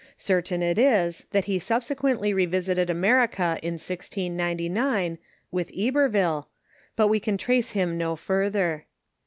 Certain it is that he subsequently revisited America in 1699, with Iberville, but we can trace him no further.